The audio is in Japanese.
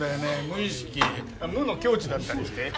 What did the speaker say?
無意識あっ無の境地だったりして。